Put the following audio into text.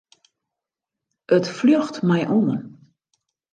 It fljocht my oan.